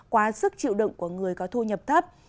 quá sức chịu đựng của người có thu nhập thấp